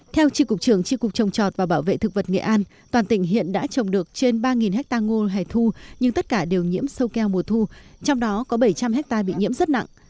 theo tri cục trường tri cục trồng chọt và bảo vệ thực vật nghệ an toàn tỉnh hiện đã trồng được trên ba ha ngô hải thu nhưng tất cả đều nhiễm sâu keo mùa thu trong đó có bảy trăm linh hectare bị nhiễm rất nặng